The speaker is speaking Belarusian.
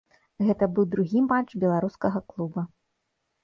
Гэта быў другі матч беларускага клуба.